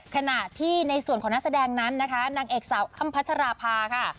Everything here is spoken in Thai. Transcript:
ขณะที่ในส่วนของนักแสดงนั้นนะคะนางเอกสาวอ้ำพัชราภาค่ะ